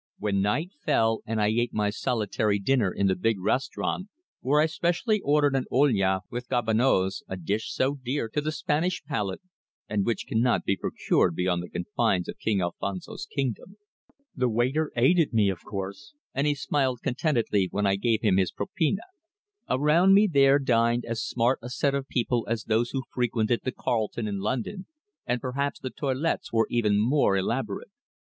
When night fell and I ate my solitary dinner in the big restaurant, where I specially ordered an olla with garbanoz, a dish so dear to the Spanish palate and which cannot be procured beyond the confines of King Alfonso's kingdom. The waiter aided me, of course, and he smiled contentedly when I gave him his propina. Around me there dined as smart a set of people as those who frequented the Carlton in London, and perhaps the toilettes were even more elaborate.